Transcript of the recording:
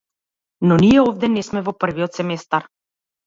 Но ние овде не сме во првиот семестар.